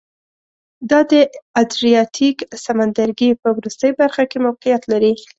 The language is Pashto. دا د ادریاتیک سمندرګي په وروستۍ برخه کې موقعیت لري